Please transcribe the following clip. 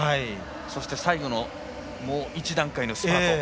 そして最後のもう１段階のスパート。